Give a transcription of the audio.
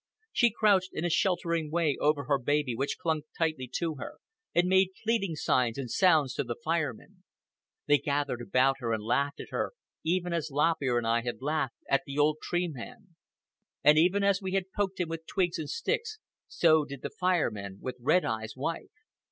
She crouched in a sheltering way over her baby (which clung tightly to her), and made pleading signs and sounds to the Fire Men. They gathered about her and laughed at her—even as Lop Ear and I had laughed at the old Tree Man. And even as we had poked him with twigs and sticks, so did the Fire Men with Red Eye's wife.